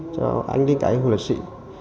cho anh liên kẻ huấn luyện sĩ